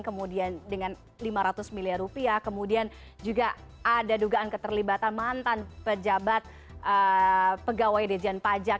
kemudian dengan lima ratus miliar rupiah kemudian juga ada dugaan keterlibatan mantan pejabat pegawai dijen pajak